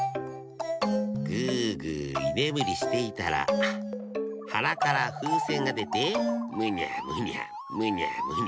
ぐぐいねむりしていたらはなからふうせんがでてむにゃむにゃむにゃむにゃむにゃ。